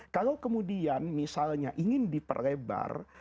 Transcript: kalau kemudian misalnya ingin diperlebar